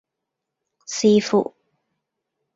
視乎